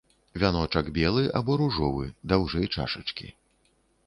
Вяночак белы або ружовы, даўжэй чашачкі.